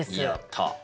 やった！